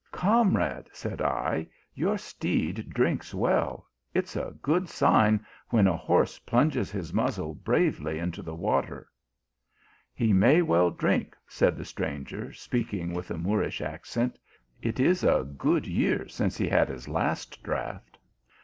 " Comrade, said I, your steed drinks well ; it s a good sign when a horse plunges his muzzle bravely into the water. 256 THE ALHAMBRA. " He may well drink, said the stranger, speaking with a Moorish accent ; 4 it is a good year since he had his last draught.